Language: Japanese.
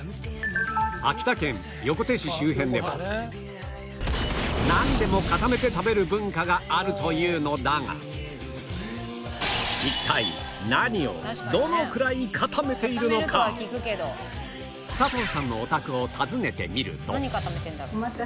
秋田県横手市周辺ではなんでも固めて食べる文化があるというのだが一体佐藤さんのお宅を訪ねてみると